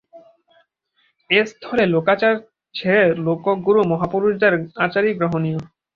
এস্থলে লোকাচার ছেড়ে লোকগুরু মহাপুরুষদের আচারই গ্রহণীয়।